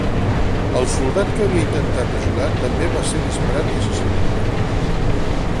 El soldat que havia intentat ajudar també va ser disparat i assassinat.